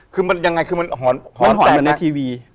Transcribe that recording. คือมันยังไง